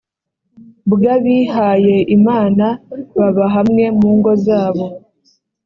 bw abihaye imana baba hamwe mu ngo zabo